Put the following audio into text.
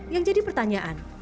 yang jadi pertanyaan